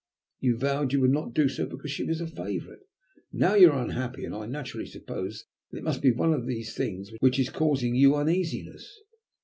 You vowed you would not do so because she was a favourite. Now you are unhappy, and I naturally suppose that it must be one of those things which is causing you uneasiness.